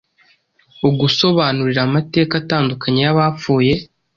ugusobanurira amateka atandukanye yabapfuye